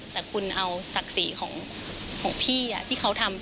แต่คุณเอาศักดิ์ศรีของพี่ที่เขาทำ